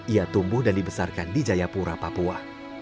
ia tumbuh dan dibesarkan di jayapura papua